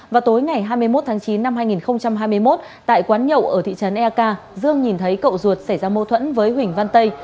vào tối ngày hai mươi một tháng chín năm hai nghìn hai mươi một tại quán nhậu ở thị trấn eak dương nhìn thấy cậu ruột xảy ra mâu thuẫn với huỳnh văn tây